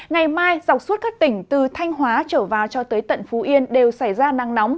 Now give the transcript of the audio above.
ngày mai dọc suốt các tỉnh từ thanh hóa trở vào cho tới tận phú yên đều xảy ra nắng nóng